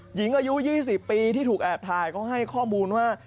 หญิงอายุ๒๐ปีที่ถูกแอบถ่ายเขาให้ข้อมูลว่า